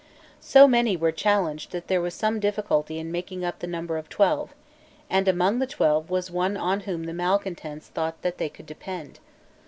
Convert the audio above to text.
So many were challenged that there was some difficulty in making up the number of twelve; and among the twelve was one on whom the malecontents thought that they could depend.